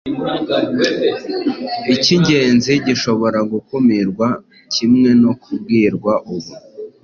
icy'ingenzi gishobora gukumirwa kimwe no kubwirwa ubu.